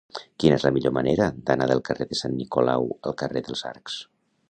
Quina és la millor manera d'anar del carrer de Sant Nicolau al carrer dels Arcs?